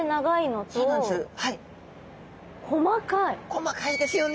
こまかいですよね。